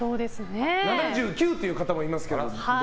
７９という方もいますけど。